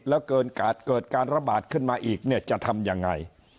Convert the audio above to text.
แล้วเกิดการระบาดขึ้นมาอีกจะทำอย่างไร